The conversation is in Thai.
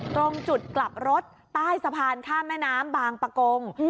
ตรงจุดกลับรถใต้สะพานข้ามแม่น้ำบางประกง